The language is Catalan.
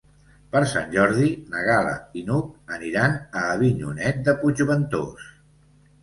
Per Sant Jordi na Gal·la i n'Hug aniran a Avinyonet de Puigventós.